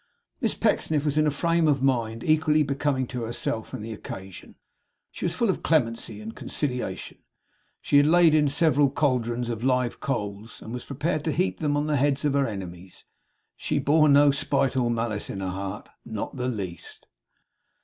Miss Pecksniff was in a frame of mind equally becoming to herself and the occasion. She was full of clemency and conciliation. She had laid in several caldrons of live coals, and was prepared to heap them on the heads of her enemies. She bore no spite nor malice in her heart. Not the least.